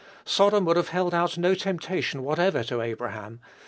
Sodom would have held out no temptation whatever to Abraham.